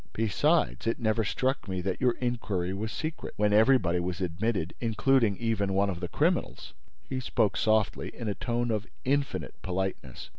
Besides, it never struck me that your inquiry was secret, when everybody was admitted—including even one of the criminals!" He spoke softly, in a tone of infinite politeness.